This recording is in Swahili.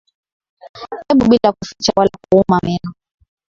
eu bila kuficha wala kuuma maneno